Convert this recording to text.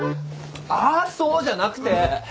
「あっそう」じゃなくて！